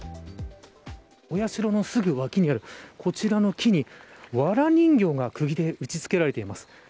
お社のすぐ脇にあるこちらの木にわら人形がくぎ打ち付けられています。